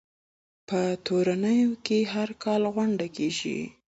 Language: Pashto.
په تورنټو کې هر کال غونډه کیږي.